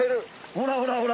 ほらほらほら！